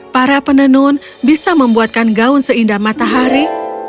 para penenun bisa membuatkan gaun seindah matahari